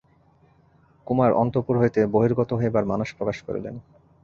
কুমার অন্তঃপুর হইতে বহির্গত হইবার মানস প্রকাশ করিলেন।